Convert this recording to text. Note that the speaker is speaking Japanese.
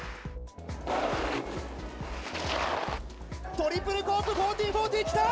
トリプルコーク１４４０、きた！